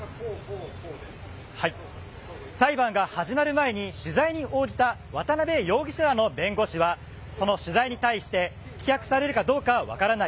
裁判が始まる前に取材に応じた渡辺容疑者らの弁護士は、その取材に対して、棄却されるかどうか分からない。